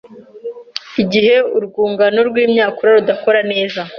igihe urwungano rw’imyakura rudakora neza